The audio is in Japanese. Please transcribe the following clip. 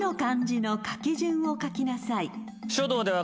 書道では。